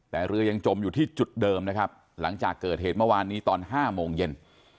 แต่เรือยังจมอยู่ที่จุดเดิมนะครับหลังจากเกิดเหตุเมื่อวานนี้ตอน๕โมงเย็น